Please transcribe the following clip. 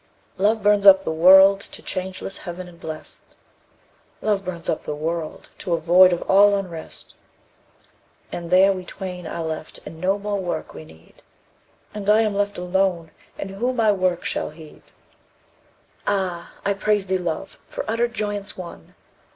Love burns up the world to changeless heaven and blest, "Love burns up the world to a void of all unrest." And there we twain are left, and no more work we need: "And I am left alone, and who my work shall heed?" Ah! I praise thee, Love, for utter joyance won!